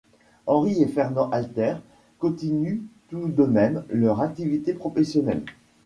Henri et Fernand Alter continuent tout de même leur activité professionnelle.